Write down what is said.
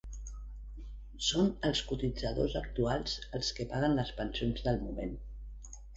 Són els cotitzadors actuals els que paguen les pensions del moment.